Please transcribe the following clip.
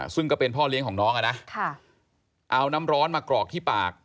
ซึ่งก็เป็นพ่อเลี้ยงของน้องอ่ะนะเอาน้ำร้อนมากรอกที่ปาก